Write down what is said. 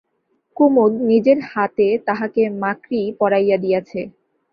কুমুদ নিজের হাতে তাহাকে মাকড়ি পরাইয়া দিয়াছে।